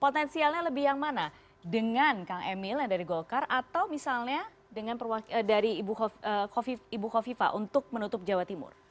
potensialnya lebih yang mana dengan kang emil yang dari golkar atau misalnya dari ibu kofifa untuk menutup jawa timur